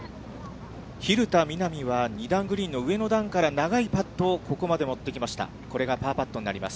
蛭田みな美は２段グリーンの上の段から、長いパットをここまで持ってきました。